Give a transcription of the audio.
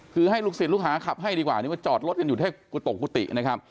คือให้ลูกศิษย์ลูกหาขับให้ดีกว่านี่มาจอดรถกันอยู่แค่กุตกกุฏินะครับ